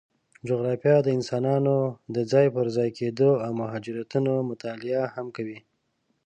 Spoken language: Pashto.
جغرافیه د انسانانو د ځای پر ځای کېدو او مهاجرتونو مطالعه هم کوي.